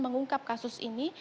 mengungkap kasus ini